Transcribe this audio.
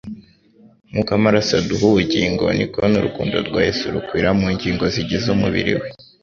Nk'uko amaraso aduha ubugingo niko n'urukundo rwa Yesu rukwira mu ngingo zigize umubiri we.